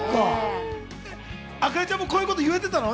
あかねちゃんもこういうこと言われてたの？